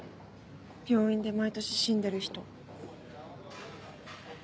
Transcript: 病院で毎年死んでる人。